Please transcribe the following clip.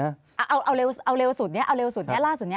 เอาเร็วสุดนี้ล่าสุดนี้